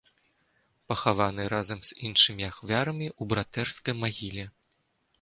Пахаваны разам з іншымі ахвярамі ў братэрскай магіле.